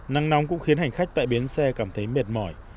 nắng nóng cũng khiến hành khách tại bến xe cảm thấy mệt mỏi